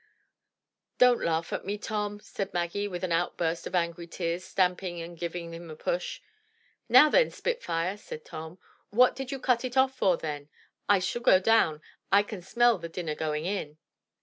"Don't laugh at me, Tom," said Maggie with an outburst of angry tears, stamping and giving him a push. "Now, then, spitfire," said Tom. "What did you cut it off for then? I shall go down. I can smell the dinner going in."